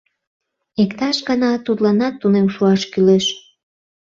Иктаж-гана тудланат тунем шуаш кӱлеш.